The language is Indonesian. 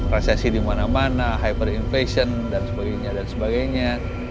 resesi di mana mana hyperinflation dan sebagainya